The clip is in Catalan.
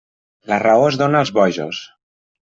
La raó es dóna als bojos.